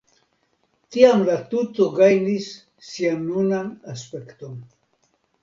Tiam la tuto gajnis sian nunan aspekton.